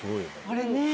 あれね。